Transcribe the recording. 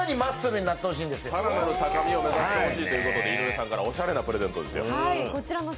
さらなる高みを目指してもらいたいということで井上さんからおしゃれなプレゼントですよ。